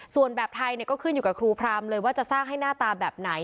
ส่วนแบบไทยก็ขึ้นอยู่กับครูพรามเลยว่าจะสร้างให้หน้าตาแบบไหน